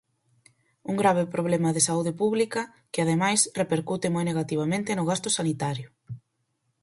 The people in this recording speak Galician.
Un grave problema de saúde pública que, ademais repercute moi negativamente no gasto sanitario.